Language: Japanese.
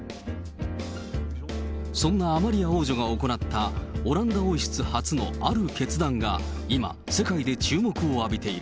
そんなアマリア王女が行った、オランダ王室初のある決断が今、世界で注目を浴びている。